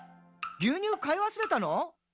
牛乳買い忘れたの？」